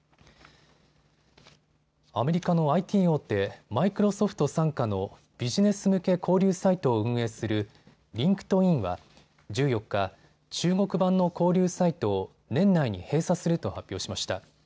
アメリカのＩＴ大手、マイクロソフト傘下のビジネス向け交流サイトを運営するリンクトインは１４日、中国版の交流サイトを年内に閉鎖すると発表しました。